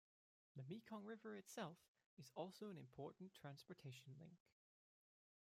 The Mekong River itself is also an important transportation link.